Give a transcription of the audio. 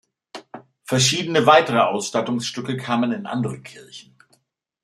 Verschiedene weitere Ausstattungsstücke kamen in andere Kirchen.